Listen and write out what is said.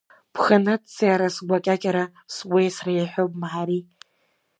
Бхы надҵеи ара сгәы акьакьара, сгәеисра иаҳәо бмаҳари.